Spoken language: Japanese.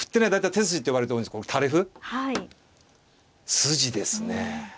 筋ですね。